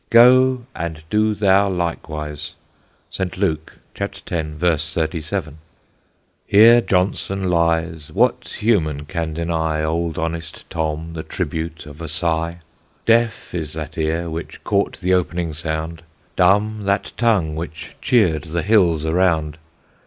'Go, and do thou likewise.' (St. Luke, x. 37). 'Here Johnson lies; what human can deny Old Honest Tom the tribute of a sigh? Deaf is that ear which caught the opening sound; Dumb that tongue which cheer'd the hills around.